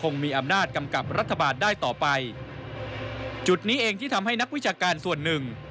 นี่เองที่ทำให้นักวิชาการส่วนหนึ่ง